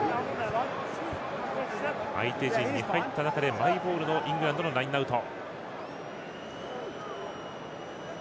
相手陣に入った中でマイボールのイングランドのラインアウト。